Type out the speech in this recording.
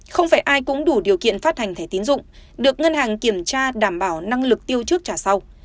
không phải ai cũng đủ điều kiện phát hành thẻ tiến dụng được ngân hàng kiểm tra đảm bảo năng lực tiêu trước trả sau